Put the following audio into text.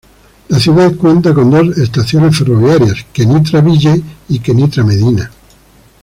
La ciudad cuenta con dos estaciones ferroviarias: "Kenitra-Ville" y Kenitra-Medina".